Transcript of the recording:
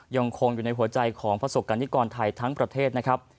ยังคงอยู่ในหัวใจของประสบกรณิกรไทยทั้งประเทศนะครับ